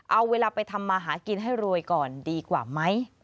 เอาเวลาไปทำมาหากินให้รวยก่อนดีกว่าไหม